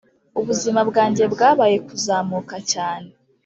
ubuzima bwanjye bwabaye kuzamuka cyane.